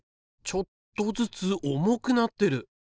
ちょっとずつ重くなってる！